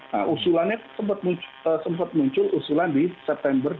nah usulannya sempat muncul usulan di september dua ribu dua puluh satu